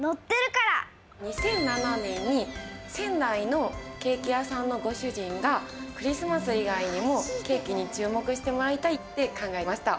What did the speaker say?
２００７年に仙台のケーキ屋さんのご主人がクリスマス以外にもケーキに注目してもらいたいって考えました。